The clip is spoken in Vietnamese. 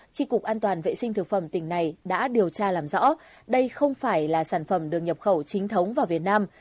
trị cục an toàn vệ sinh thực phẩm tỉnh này đã điều tra làm rõ đây không phải là sản phẩm đường nhập khẩu chính thống vào việt nam